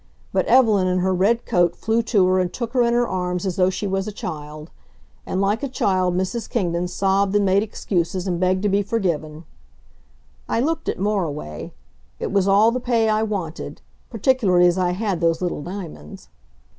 But Evelyn in her red coat flew to her and took her in her arms as though she was a child. And like a child, Mrs. Kingdon sobbed and made excuses and begged to be forgiven. I looked at Moriway. It was all the pay I wanted particularly as I had those little diamonds.